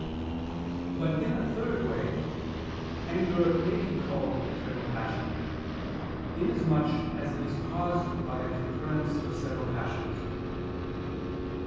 But, in a third way, anger may be called a general passion, inasmuch as it is caused by a concurrence of several passions.